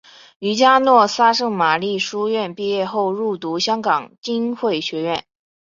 于嘉诺撒圣玛利书院毕业后入读香港浸会学院。